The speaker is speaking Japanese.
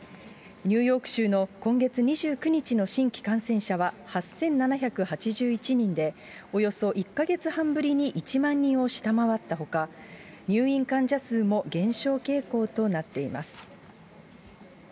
ニューヨーク州の今月２９日の新規感染者は８７８１人で、およそ１か月半ぶりに１万人を下回ったほか、入院患者数も減少傾向となっています。